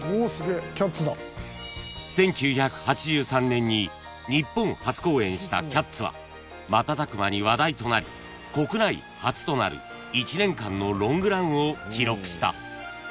［１９８３年に日本初公演した『キャッツ』は瞬く間に話題となり国内初となる１年間のロングランを記録した］